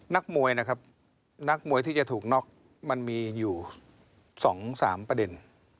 นักมวยนะครับนักมวยที่จะถูกน็อกมันมีอยู่๒๓ประเด็น